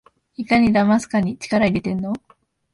いかにだますかに力いれてんの？